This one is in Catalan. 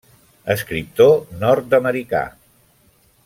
Escriptor nord-americà.